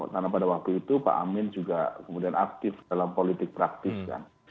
karena pada waktu itu pak amin juga kemudian aktif dalam politik praktis kan